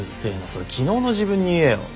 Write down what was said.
それ昨日の自分に言えよ。